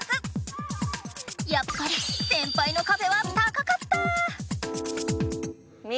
やっぱり先輩のかべは高かった！